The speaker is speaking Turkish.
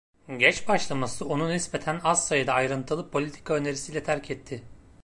Geç başlaması onu nispeten az sayıda ayrıntılı politika önerisiyle terk etti.